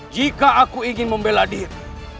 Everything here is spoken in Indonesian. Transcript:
jika aku ingin membela diri